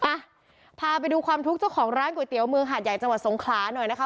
อ่ะพาไปดูความทุกข์เจ้าของร้านก๋วยเตี๋ยวเมืองหาดใหญ่จังหวัดสงขลาหน่อยนะคะ